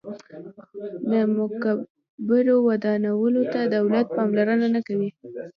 د مقبرو ودانولو ته دولت پاملرنه نه کوي.